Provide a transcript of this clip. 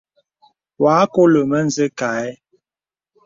Wɔ a nkɔlə mə zə̀ kâ ə̀.